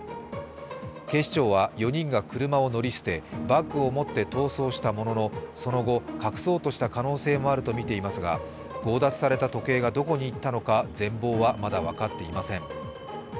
警視庁は４人が車を乗り捨てバッグを持って逃走したもののその後、隠そうとした可能性もあるとみていますが、強奪した時計がどこにいったのか、全貌はまだ分かっていません。